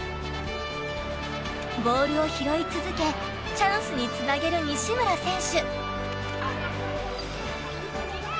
ボールを拾い続けチャンスにつなげる西村選手。